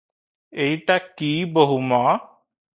ଏଇଟା କି ବୋହୂ ମ!